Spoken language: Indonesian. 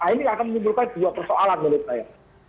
ini akan menimbulkan dua persoalan menurut saya